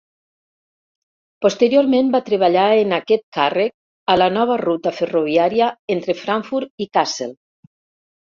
Posteriorment va treballar en aquest càrrec a la nova ruta ferroviària entre Frankfurt i Kassel.